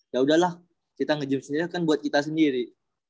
yaudahlah kita nge gym sendiri kan buat kita sendiri